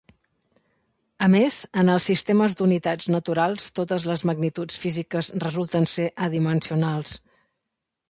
A més, en els sistemes d'unitats naturals totes les magnituds físiques resulten ser adimensionals.